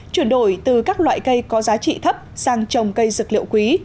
chuyển đổi từ các loại cây có giá trị thấp sang trồng cây dược liệu quý